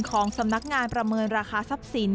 ของสำนักงานประเมินราคาทรัพย์สิน